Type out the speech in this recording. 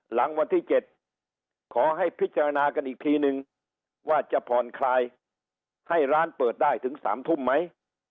หลังวันที่๗ขอให้พิจารณากันอีกทีนึงว่าจะผ่อนคลายให้ร้านเปิดได้ถึง๓ทุ่มไหม